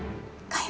aku mau ke sana